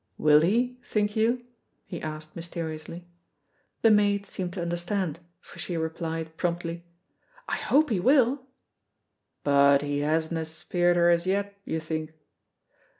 "Will he, think you?" he asked mysteriously. The maid seemed to understand, for she replied, promptly, "I hope he will." "But he hasna spiered her as yet, you think?"